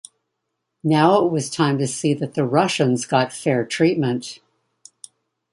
Now it was time to see that the Russians got fair treatment.